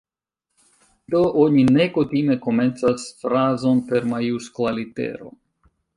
Do, oni ne kutime komencas frazon per majuskla litero.